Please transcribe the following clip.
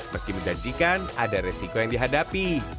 meski menjanjikan ada resiko yang dihadapi